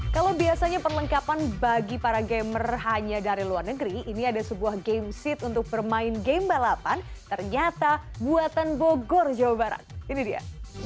kalau biasanya perlengkapan bagi para gamer hanya dari luar negeri ini ada sebuah game seat untuk bermain game balapan ternyata buatan bogor jawa barat ini dia